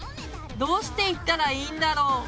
どうしていったらいいんだろう？